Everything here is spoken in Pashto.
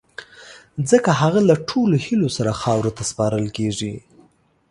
ځڪه هغه له ټولو هیلو سره خاورو ته سپارل کیږی